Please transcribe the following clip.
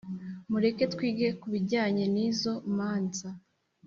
Mureke twige kubijyanye nizo mpanza